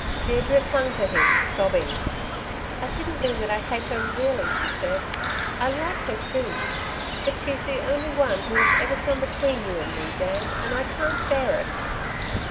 Deirdre clung to him sobbing. "I didn't mean that I hate her really," she said, "I like her too. But she's the only one who has ever come between you and me, Dan, and I can't bear it."